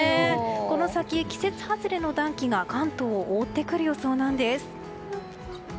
この先、季節外れの暖気が関東を覆ってくる予想なんです。